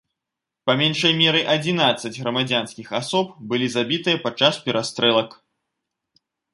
Па меншай меры адзінаццаць грамадзянскіх асоб былі забітыя падчас перастрэлак.